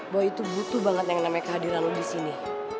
bahwa itu butuh banget yang namanya kehadiran di sini